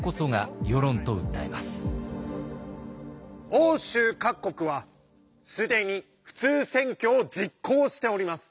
欧州各国は既に普通選挙を実行しております。